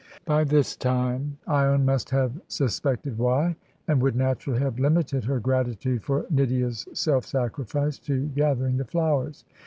By this time lone must have suspected why, and would naturally have limited her gratitude for Nydia's self sacrifice to gathering the flowers.